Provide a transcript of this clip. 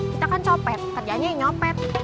kita kan copet kerjanya nyopet